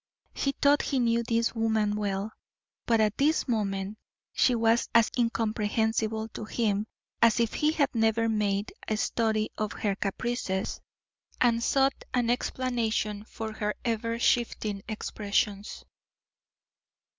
He thought he knew this woman well, but at this moment she was as incomprehensible to him as if he had never made a study of her caprices and sought an explanation for her ever shifting expressions.